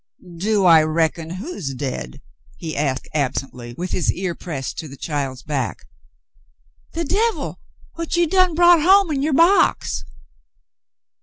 "Do I reckon who's dead ?" he asked absently, with his ear pressed to the child's back. "The devil what you done brought home in yuer box."